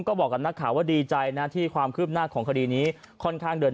ก็บอกกับนักข่าวว่าดีใจนะที่ความคืบหน้าของคดีนี้ค่อนข้างเดิน